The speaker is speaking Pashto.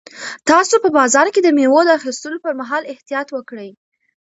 تاسو په بازار کې د مېوو د اخیستلو پر مهال احتیاط وکړئ.